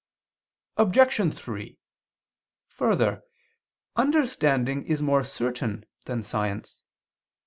Obj. 3: Further, understanding is more certain than science.